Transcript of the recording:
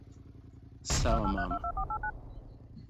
Sawa mama